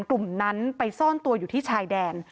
กลุ่มนั้นไปซ่อนตัวอยู่ที่ชายแดน